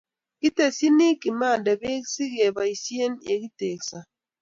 Kitesyini kiminde beek si keboisie ke tekisio